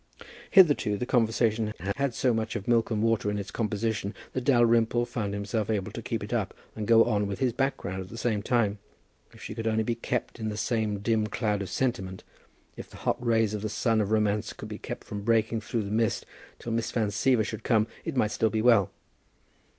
Hitherto the conversation had had so much of milk and water in its composition, that Dalrymple found himself able to keep it up and go on with his background at the same time. If she could only be kept in the same dim cloud of sentiment, if the hot rays of the sun of romance could be kept from breaking through the mist till Miss Van Siever should come, it might still be well.